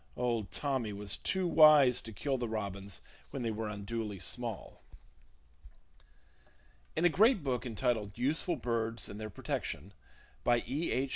Old "Tommy" was too wise to kill the robins when they were unduly small. In a great book entitled Useful Birds and Their Protection, by E. H.